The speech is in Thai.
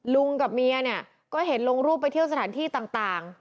ลุงกับเมียเนี่ยก็เห็นลงรูปไปเที่ยวสถานที่ต่าง